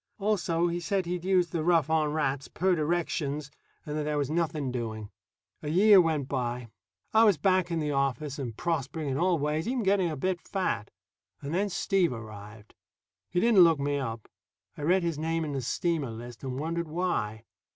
Also, he said he'd used the "rough on rats," per directions, and that there was nothing doing. A year went by. I was back in the office and prospering in all ways even getting a bit fat. And then Steve arrived. He didn't look me up. I read his name in the steamer list, and wondered why.